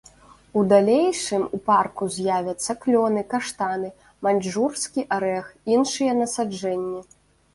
У далейшым у парку з'явяцца клёны, каштаны, маньчжурскі арэх, іншыя насаджэнні.